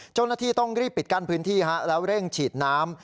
เจ้าหน้าที่ต้องรีบปิดกั้นพื้นที่แล้วเร่งฉีดน้ำ